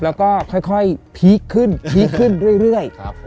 แล้วก็ค่อยพีคขึ้นเรื่อย